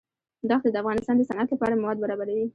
دښتې د افغانستان د صنعت لپاره مواد برابروي.